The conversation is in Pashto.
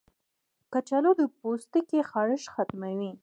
کچالو د پوستکي خارښ ختموي.